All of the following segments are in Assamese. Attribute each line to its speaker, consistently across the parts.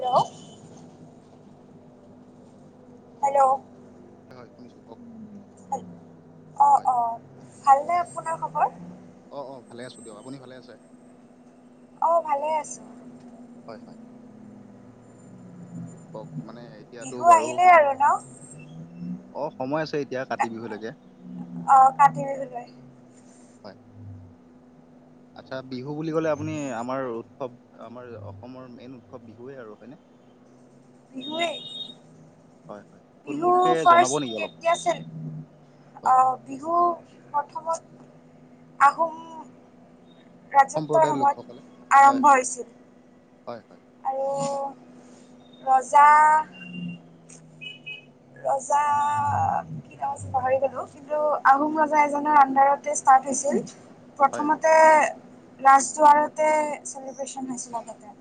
Speaker 1: হেল্ল'। হেল্ল'।
Speaker 2: হয় হয় শুনিছোঁ কওক।
Speaker 1: অ'
Speaker 2: হয়
Speaker 1: অ'। ভালনে আপোনাৰ খবৰ?
Speaker 2: অ', অ' ভালে আছোঁ দিয়ক। আপুনি ভালে আছে?
Speaker 1: অ' ভালে আছোঁ।
Speaker 2: হয় হয়। লোকক মানে এতিয়াতো
Speaker 1: বিহু
Speaker 2: বাৰু,
Speaker 1: আহিলেই আৰু ন
Speaker 2: অ' সময় আছে এতিয়া কাতি বিহুলৈকে।
Speaker 1: অ' কাতি বিহুলৈ।
Speaker 2: হয়। আচ্ছা বিহু বুলি ক'লে আপুনি আমাৰ উৎসৱ আমাৰ অসমৰ মেইন উৎসৱ বিহুৱে আৰু হয়নে?
Speaker 1: বিহুৱেই।
Speaker 2: হয় হয়। থুল মূলকে জনাব নেকি অলপ?
Speaker 1: দি আছিল।
Speaker 2: হয়
Speaker 1: অ' বিহু প্ৰথমত আহোম ৰাজত্বৰ
Speaker 2: সম্প্ৰদায়ৰ লোকসকলে
Speaker 1: সময়ত
Speaker 2: হয়
Speaker 1: আৰম্ভ হৈছিল।
Speaker 2: হয় হয়।
Speaker 1: আৰু ৰজা ৰজা পাহৰি গলোঁ কিন্তু আহোম ৰজা এজনৰ আন্ডাৰতে ষ্টাৰ্ট হৈছিল।
Speaker 2: হয়
Speaker 1: প্ৰথমতে ৰাজদুৱাৰতে চেলিব্ৰেচন হৈছিল আগতে।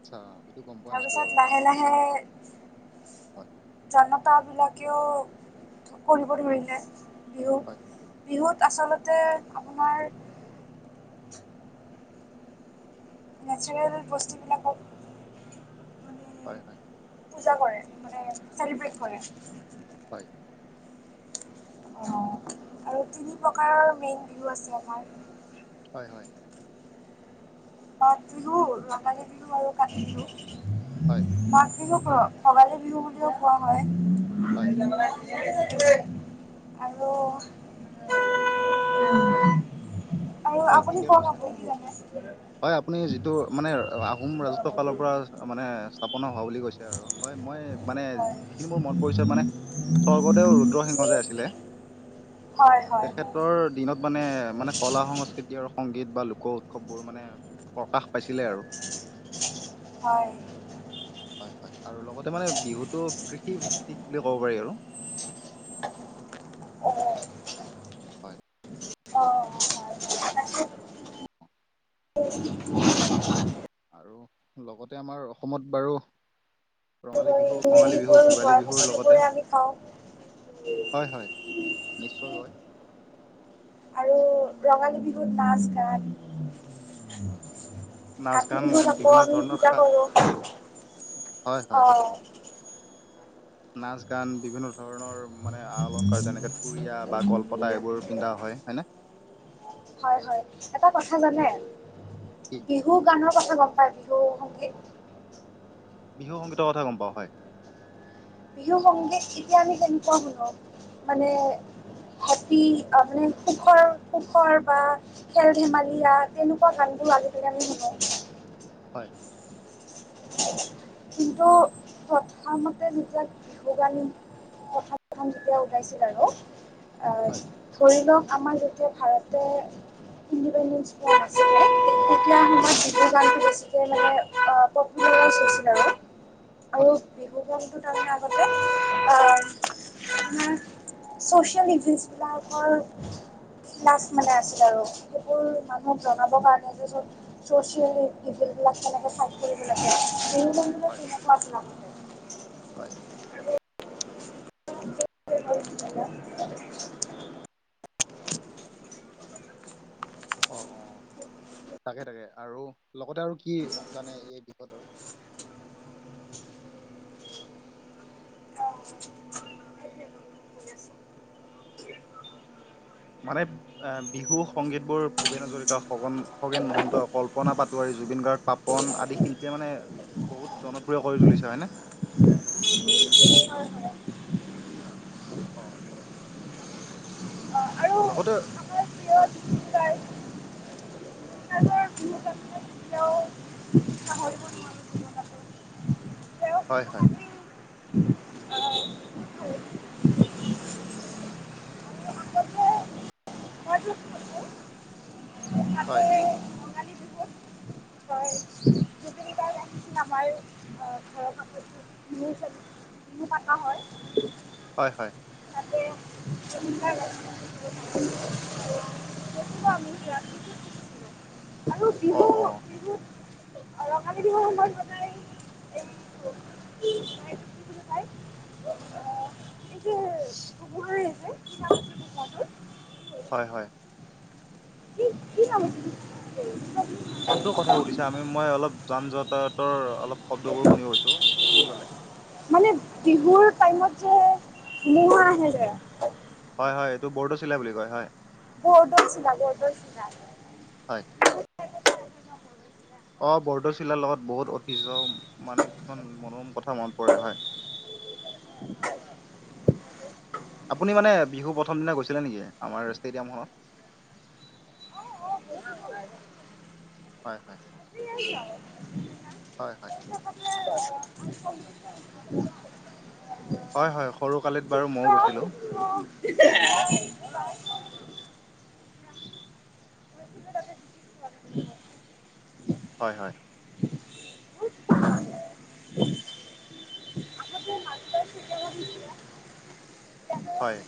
Speaker 2: আচ্ছা এইটো গম পোৱা নাছিলো বাৰু তাক।
Speaker 1: হে
Speaker 2: হয়
Speaker 1: জনতাবিলাকেও কৰিব ধৰিলে। বিহু।
Speaker 2: হয়
Speaker 1: বিহুত আচলতে আপোনাৰ নেচাৰেল বস্তুবিলাকক
Speaker 2: হয় হয়।
Speaker 1: পূজা কৰে মানে চেলিব্ৰেট কৰে।
Speaker 2: হয়।
Speaker 1: অ' আৰু তিনি প্ৰকাৰৰ মেইন বিহু আছে আমাৰ।
Speaker 2: হয় হয়।
Speaker 1: পাত দিলো, লটালি দিলো আৰু কাটিলো।
Speaker 2: হয়।
Speaker 1: মাঘ বিহুক ভোগালী বিহু বুলিও কোৱা হয়।
Speaker 2: হয়
Speaker 1: আৰু আৰু
Speaker 2: হয়
Speaker 1: আপুনি
Speaker 2: ঠিকে কৈছে
Speaker 1: কওঁক। আপুনি কি জানে?
Speaker 2: হয়, আপুনি যিটো মানে আহোম ৰাজত্ব কালৰ পৰা মানে স্থাপনা হোৱা বুলি কৈছে আৰু। হয়, মই মানে
Speaker 1: হয়
Speaker 2: যিখিনি মোৰ মন পৰিছে মানে। স্বৰ্গদেউ ৰুদ্ৰসিংহ যে আছিলে।
Speaker 1: হয় হয়
Speaker 2: তেখেতৰ দিনত মানে মানে কলা সংস্কৃতিৰ। আৰু সংগীত বা লোক উৎসৱ বোৰ মানে প্ৰকাশ পাইছিলে আৰু।
Speaker 1: হয়
Speaker 2: হয়, হয়, আৰু লগতে মানে বিহুতটো কৃষি ভিত্তিক। বুলি ক'ব পাৰি আৰু।
Speaker 1: হয়
Speaker 2: হয়।
Speaker 1: অ' অ' হয়, হয়। [unintelligible]
Speaker 2: আৰু লগতে আমাৰ অসমত বাৰু। ৰঙালী বিহু, কঙালী বিহু,
Speaker 1: গৈ
Speaker 2: ভোগালী
Speaker 1: হোৱাৰ
Speaker 2: বিহুৰ
Speaker 1: পাছতো গৈ
Speaker 2: লগতে
Speaker 1: আমি খাওঁ।
Speaker 2: হয়, হয়। নিশ্চয় হয়।
Speaker 1: আৰু ৰঙালী বিহুত নাচ-গান
Speaker 2: নাচ
Speaker 1: কাতি
Speaker 2: গান
Speaker 1: বিহুত আকৌ
Speaker 2: বিভিন্ন
Speaker 1: আমি
Speaker 2: ধৰণৰ
Speaker 1: পূজা
Speaker 2: খা
Speaker 1: কৰোঁ।
Speaker 2: হয়
Speaker 1: আহ
Speaker 2: নাচ-গান বিভিন্ন ধৰণৰ মানে আ-অলংকাৰ যেনেকে পুৰিয়া বা গলপতা এইবোৰ পিন্ধা হয়নে।
Speaker 1: হয়, হয়, এটা কথা জানে
Speaker 2: কি
Speaker 1: বিহু গানৰ কথা গ'ম পাই বিহু। [unintelligible]
Speaker 2: বিহু সংগীতৰ কথা গ'ম পাওঁ হয়।
Speaker 1: বিহু সংগীত এতিয়া আমি তেনেকুৱা শুনো মানে। হেপী মানে সুখৰ সুখৰ বা খেল ধেমালীয়া তেনেকুৱা গানবোৰ আজিকালি আমি শুনো।
Speaker 2: হয়।
Speaker 1: কিন্তু, প্ৰথমতে যেতিয়া বিহু গান প্ৰথম, প্ৰথম যেতিয়া ওলাইছিল আৰু আহ
Speaker 2: হয়
Speaker 1: ধৰি লওঁক আমাৰ যেতিয়া ভাৰত ইনণ্ডিপেণ্ডেঞ্চ হোৱা নাছিলে, তেতিয়াৰ
Speaker 2: হয়
Speaker 1: সময়ত বিহু গানটো। মানে [unintelligible] আৰু আৰু
Speaker 2: হয়
Speaker 1: বিহু গানটো তাৰ মানে আগতে। আপোনাৰ ছচিয়েল ইভেঞ্চবিলাকৰ ক্লাচ মানে আছিল আৰু সেইবোৰ মানুহক জনাবৰ কাৰণে যে চ'ব। চছিয়েল বিলাক তেনেকোই কৰিব লাগে এই বিলাক
Speaker 2: হয়
Speaker 1: তেনেকুৱাক আছিল। আগতে
Speaker 2: হয়।
Speaker 1: [unintelligible]
Speaker 2: অ' অ' থাকে থাকে আৰু লগতে আৰু কি জানে এই বিষয়ত আৰু। মানে বিহু সংগীতবোৰ ভূপেন হাজৰিকা, খগেন খগেন মহন্ত, কল্পনা পাটোৱাৰী, জুবিন গাৰ্গ, পাপণ আদি শিল্পীয়ে মানে বহুত জনপ্ৰিয় কৰি তুলিছে হয় নে।
Speaker 1: হয়, হয়।
Speaker 2: অ' লগতে হয়।
Speaker 1: ব'হাগ বিহু আপোনাৰ কেতিয়াওঁ পাহৰিব নোৱাৰোঁ জীবনতো তেওঁ।
Speaker 2: হয়, হয়।
Speaker 1: আহ আমি আগতে মই য'ত
Speaker 2: হয়।
Speaker 1: এ, ৰঙালী বিহুত হয় গোটেইকেইটাই [unintelligible] আমাৰ ঘৰ ঘৰৰ কাষত [inaudible] বিহু পাতা হয়।
Speaker 2: হয় হয়।
Speaker 1: তাতে [inaudible] আৰু
Speaker 2: অ',
Speaker 1: বিহু
Speaker 2: অ'।
Speaker 1: বিহুত ৰঙালী বিহুৰ সময়ত বলাই [inaudible] কি বুলি অ' [unintelligible]
Speaker 2: হয় হয়।
Speaker 1: কি কি নাম [inaudible]
Speaker 2: কোনটোৰ কথা সুধিছা আমি মই অলপ যান যাতায়তৰ অলপ শব্দবোৰ শুনি গৈছোঁ, কি ক'লে।
Speaker 1: মানে বিহুৰ টাইমত যে ধুমুহা আহে যে।
Speaker 2: হয় হয় এইটো বৰদৈচিলা বুলি কয় হয়।
Speaker 1: [unintelligible] বৰদৈচিলা।
Speaker 2: হয়।
Speaker 1: বৰদৈচিলা
Speaker 2: অ' বৰদৈচিলাৰ লগত বহুত ঐতিহ্য মানে কিছুমান মনোৰম কথা মনত পৰে হয়। আপুনি মানে বিহু প্ৰথম দিনা গৈছিলে নেকি আমাৰ ষ্টেডিয়ামখনত।
Speaker 1: অ', অ', [inaudible]
Speaker 2: হয় হয়।
Speaker 1: [unintelligible]
Speaker 2: হয় হয়।
Speaker 1: [unintelligible]
Speaker 2: হয় হয় সৰু কালিত বাৰু ময়ো গৈছিলোঁ। হয় হয়। হয়।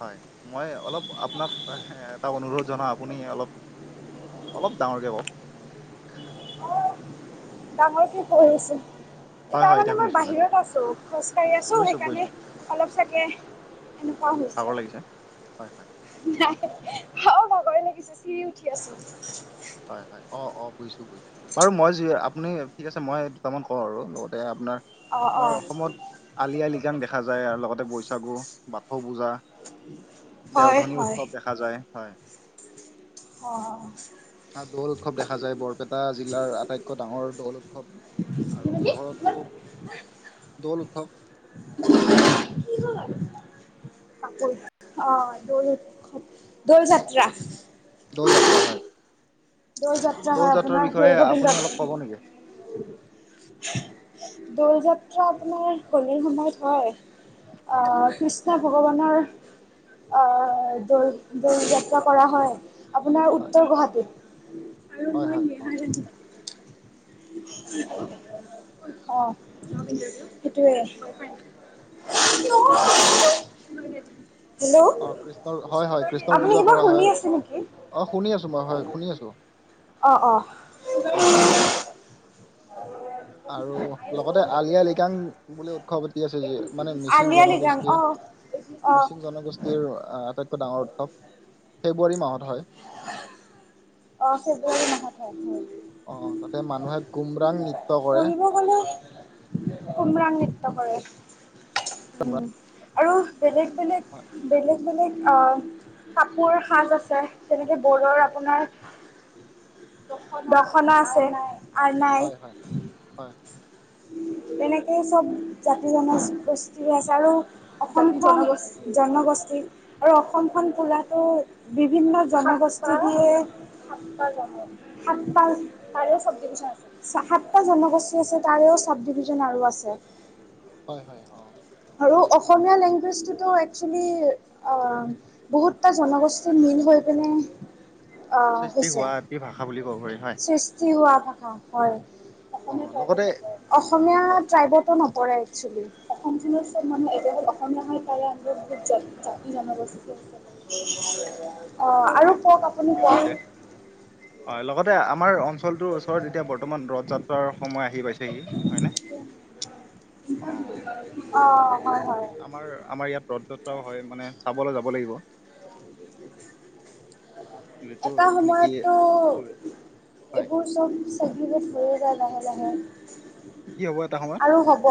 Speaker 2: হয় মই অলপ আপোনাক এটা অনুৰোধ জনা আপুনি অলপ অলপ ডাঙৰকে কওঁক।
Speaker 1: ডাঙৰকে কয় আছোঁ।
Speaker 2: হয়
Speaker 1: তাৰ
Speaker 2: হয়
Speaker 1: মানে
Speaker 2: এতিয়া
Speaker 1: মই
Speaker 2: শুনিছো হয়
Speaker 1: বাহিৰত আছোঁ, খোজ কাঢ়ি আছোঁ,
Speaker 2: বুজিছো
Speaker 1: সেইকাৰণে
Speaker 2: বুজিছো
Speaker 1: অলপ চাগে এনেকুৱা
Speaker 2: ভাগৰ
Speaker 1: হৈছে।
Speaker 2: লাগিছে হয় হয়।
Speaker 1: নাই অ' ভাগৰ লাগিছে চিৰি উঠি আছোঁ।
Speaker 2: হয় হয় অ', অ', বুজিছোঁ বুই বাৰু মই য আপুনি ঠিক আছে মই দুটামান কওঁ আৰু লগতে আপোনাৰ
Speaker 1: অ অ
Speaker 2: আমাৰ অসমত আলি আই লিগান দেখা যায় আৰু লগতে বৈশাগু, বাথৌ পূজা।
Speaker 1: হয়
Speaker 2: দেওধনী
Speaker 1: হয়
Speaker 2: উৎসৱ দেখা যায় হয়।
Speaker 1: অ'।
Speaker 2: আৰু দৌল উৎসৱ দেখা যায় বৰপেটা জিলাৰ আটাইতকৈ ডাঙৰ দৌল উৎসৱ আৰু পোহৰ উৎসৱো, দৌল উৎসৱ।
Speaker 1: কাপোৰ অ' [unintelligible] দৌল যাত্ৰা।
Speaker 2: দৌল যাত্ৰা হয়।
Speaker 1: দৌল যাত্ৰা হয়
Speaker 2: দৌল যাত্ৰাৰ
Speaker 1: আপোনাৰ
Speaker 2: বিষয়ে
Speaker 1: দৌল গোবিন্দত
Speaker 2: আপুনি অলপ ক'ব নেকি।
Speaker 1: দৌল যাত্ৰা আপোনাৰ হোলীৰ সময়ত হয,
Speaker 2: হয়
Speaker 1: অ' কৃষ্ণ ভগৱান আপোনাৰ অ' দৌল দৌল যাত্ৰা কৰা হয়। আপোনাৰ
Speaker 2: হয়
Speaker 1: উত্তৰ গুৱাহাটীত। আৰু
Speaker 2: হয় হয় অ'।
Speaker 1: মই অ' সেইটোৱে। [unintelligible] হেল্ল',
Speaker 2: অ কৃষ্ণৰ হয় হয় কৃষ্ণৰ
Speaker 1: আপুনি
Speaker 2: পূজা
Speaker 1: কিবা
Speaker 2: কৰা
Speaker 1: শুনি
Speaker 2: হয়
Speaker 1: আছে নেকি?
Speaker 2: অ' শুনি আছোঁ মই হয় শুনি আছোঁ।
Speaker 1: অ', অ'।
Speaker 2: আৰু লগতে আলিয়া লিকাং বুলি উৎস পাতি আছে যিয় মানে মিচিং
Speaker 1: আলিয়া লৃগাং
Speaker 2: জনগোষ্ঠীয়ে,
Speaker 1: অ', অ',
Speaker 2: মিচিং জনগোষ্ঠী আটাইতকৈ ডাঙৰ উৎসৱ ফেব্ৰুৱাৰী মাহত হয়।
Speaker 1: অ', ফেব্ৰুৱাৰী মাহত হয়।
Speaker 2: অ', তাতে মানুহে গুমৰাং নৃত্য কৰে।
Speaker 1: সকলেও কোমৰাং নৃত্য কৰে। উম। আৰু বেলেগ বেলেগ
Speaker 2: হয়
Speaker 1: বেলেগ বেলেগ আহ কাপোৰ সাজ আছে তেনেকৈ বড়ৰ আপোনাৰ দখনা আছে। আৰনাই
Speaker 2: হয়, হয়, হয়।
Speaker 1: তেনেকেই চব জাতি জনগোষ্ঠীৰ আছে আৰু অসমখন জনগোষ্ঠী আৰু অসমখন পোৰাতো বিভিন্ন জনগোষ্ঠী দিয়ে সাত পাল তাৰেও চব ডচছে সাতটা জনগোষ্ঠী আছে তাৰেও চব ডভিচ জন আৰু আছে।
Speaker 2: হয় হয় অ'।
Speaker 1: আৰু
Speaker 2: হয়
Speaker 1: অসমীয়া লেংগুৱেজটোতো একচুৱেলি অ' বহুতটা জনগোষ্ঠীৰ মিল হৈ পিনে অ',
Speaker 2: সৃষ্টি
Speaker 1: হৈছে।
Speaker 2: হোৱা এটি ভাষা বুলি ক'ব পাৰি হয়
Speaker 1: সৃষ্টি হোৱা ভাষা হয়। অসমীয়া
Speaker 2: অ',
Speaker 1: ট্ৰাইবত
Speaker 2: লগতে
Speaker 1: নপৰে। অসমীয়া
Speaker 2: হয়
Speaker 1: ট্ৰাইবতো নপৰে একসুৱেলি। মানুহ এইটো হ'ল অসমীয়া তালে আ বহুত জাতি জনগোষ্ঠী আছে। অ আৰু
Speaker 2: হয়
Speaker 1: কওক আপুনি
Speaker 2: ঠিকে
Speaker 1: কওক
Speaker 2: কৈছে। হয় লগতে আমাৰ অ অঞ্চলটোৰ ওচৰত এতিয়া বৰ্তমান ৰথ যাত্ৰাৰ সময় আহি পাইছেি। অ
Speaker 1: অ' হয় হয়।
Speaker 2: আমাৰ আমাৰ ইয়াত ৰথ যাত্ৰাও হয় মানে চাবলৈ যাব লাগিবৱ যিটো
Speaker 1: এটা
Speaker 2: নেকি
Speaker 1: সময়ততো
Speaker 2: হয়
Speaker 1: এইবোৰ চব চেকৰিফাইচ হৈয়ে যায় লাহে লাহে।
Speaker 2: কি হ'ব এটা সময়ত
Speaker 1: আৰু হ'ব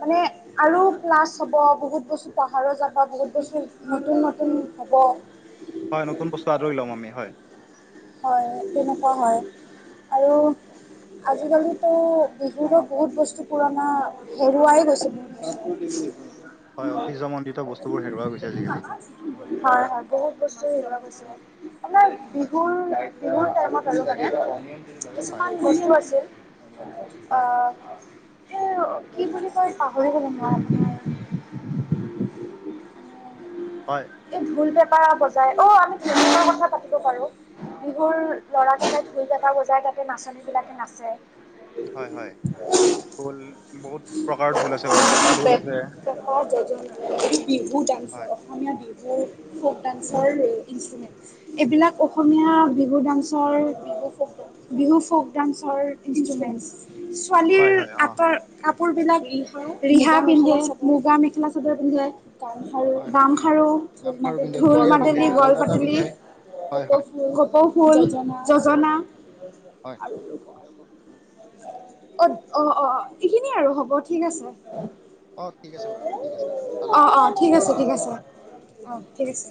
Speaker 1: মানে আৰু প্লাছ হ'ব বহুত বস্তু পাহাৰা যাব। বহুত বস্তু নতুন নতুন হ'ব।
Speaker 2: হয় নতুন বস্তু আদৰি লম আমি হয়।
Speaker 1: হয় তেনেকুৱা হয় আৰু
Speaker 2: অ,
Speaker 1: আজিকালিত ত' বিহুৰ লগ বহুত বস্তু পুৰণা হেৰুৱাই গৈছে বহুত বস্তু।
Speaker 2: হয়, ঐতিহ্যমণ্ডিত বস্তুবোৰ হেৰুৱা গৈছে
Speaker 1: বহুত
Speaker 2: আজিকালি।
Speaker 1: হয় হয় বহুত বস্তু হেৰুৱা গৈছে। আমাৰ
Speaker 2: হয়
Speaker 1: মান টাইমত আছে চাগে
Speaker 2: হয়
Speaker 1: কিছুমান বস্তু আছিল।
Speaker 2: হয়
Speaker 1: অ' এ কি বুলি কয় পাহৰি গলে মই। আপোনাৰ
Speaker 2: হয়।
Speaker 1: এই ঢোল পেপা বজাই অ', আমি [inaudible] কথা পাতিব পাৰো। বিহুৰ ল'ৰাজনে ধুলকেইটা বজাই। তাতে নাচনী বিলাকে নাচেঁ।
Speaker 2: হয় হয়। ঢোল বহুত প্ৰকাৰৰ ঢোল আছে, বাৰু থেপা ঢোল আছে।
Speaker 1: যজন বিহু
Speaker 2: হয়
Speaker 1: ডান্সৰ অসমীয়া বিহুৰ ফোক ডান্সৰ ইনষ্ট্ৰুমেণ্ট। এইবিলাক অসমীয়া বিহু ডান্সৰ বিহু বিহু ফক ডান্সৰ ইনফ্লুৱেঞ্চ ছোৱালীৰ
Speaker 2: হয় হয় অ
Speaker 1: আতৰ কাপোৰ বিলাক ৰিহা পিন্ধে মুগা মেখেলা চবে পিন্ধে। গামখাৰু
Speaker 2: হয় হয় অ
Speaker 1: গামখাৰু
Speaker 2: গামখাৰু পিন্ধে
Speaker 1: ঢোল
Speaker 2: চুৰিয়া পিন্ধে
Speaker 1: মাদেলি গল
Speaker 2: গলপতা
Speaker 1: পাতলি।
Speaker 2: পিন্ধে হয় হয়
Speaker 1: কপৌ ফুল
Speaker 2: কপৌ ফুল
Speaker 1: যজনা।
Speaker 2: লগাই হয় হয়।
Speaker 1: অ', অ', অ', এইখিনিয়ে আৰু হ'ব ঠিক আছে।
Speaker 2: অ', ঠিক আছে বাৰু ঠিক আছে ভাল
Speaker 1: অ
Speaker 2: লাগিল
Speaker 1: অ
Speaker 2: ধন্যবাদ।
Speaker 1: ঠিক আছে। অ', ঠিক আছে।